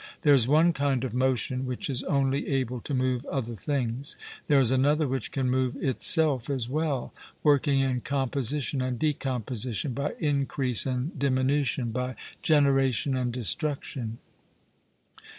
There is one kind of motion which is only able to move other things; there is another which can move itself as well, working in composition and decomposition, by increase and diminution, by generation and destruction.